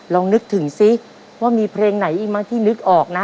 ลองนึกถึงสิว่ามีเพลงไหนอีกมั้งที่นึกออกนะ